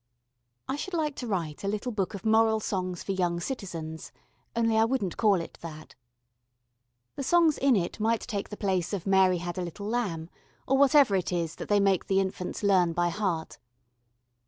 I should like to write a little book of Moral Songs for Young Citizens, only I wouldn't call it that. The songs in it might take the place of "Mary had a little lamb" or whatever it is that they make the infants learn by heart.